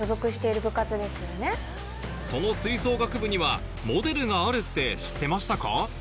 その吹奏楽部にはモデルがあるって知ってましたか？